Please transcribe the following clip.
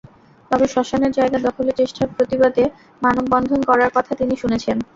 তবে শ্মশানের জায়গা দখলের চেষ্টার প্রতিবাদে মানববন্ধন করার কথা তিনি শুনেছেন।